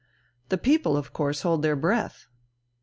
"The people of course hold their breath."